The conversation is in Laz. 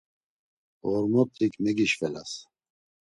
Ğormotik megişvelas.